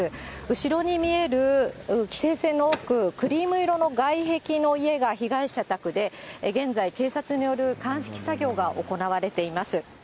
後ろに見える規制線の奥、クリーム色の外壁の家が被害者宅で、現在、警察による鑑識作業が行われています。